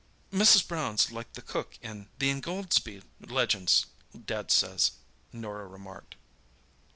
'" "Mrs. Brown's like the cook in The Ingoldsby Legends, Dad says," Norah remarked.